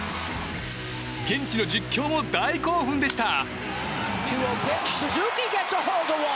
現地の実況も大興奮でした。